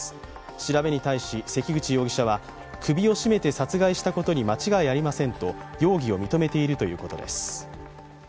調べに対し関口容疑者は首を絞めて殺害したことに間違いありませんと容疑を認めているということです。